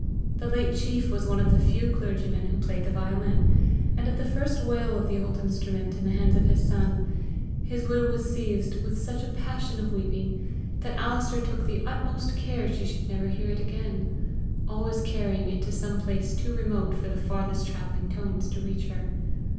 The late chief was one of the few clergymen who played the violin; and at the first wail of the old instrument in the hands of his son, his widow was seized with such a passion of weeping, that Alister took the utmost care she should never hear it again, always carrying it to some place too remote for the farthest travelling tones to reach her.